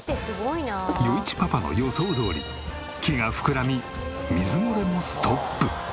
余一パパの予想どおり木が膨らみ水漏れもストップ。